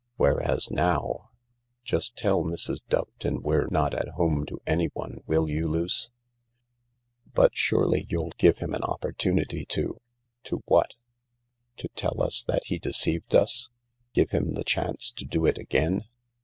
Whereas now I ... Just tell Mrs. Doveton we're not at home to anyone, will you, Luce ?"" But surely you'll give him an opportunity to ..."" To what ? To tell us that he deceived us ? Give him the chance to do it again